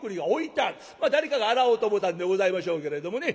誰かが洗おうと思たんでございましょうけれどもね。